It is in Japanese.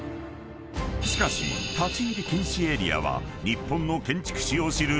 ［しかし立ち入り禁止エリアは日本の建築史を知る］